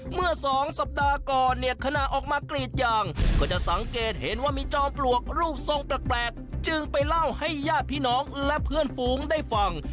เมื่อสองสัปดาห์ก่อนเนี่ยขณะออกมากรีดยางก็จะสังเกตเห็นว่ามีจอมปลวกรูปทรงแปลกจึงไปเล่าให้ญาติพี่น้องและเพื่อนฝูงได้ฟัง